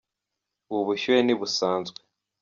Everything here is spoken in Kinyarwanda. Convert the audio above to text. ubu bushyuhe ntibusanzwe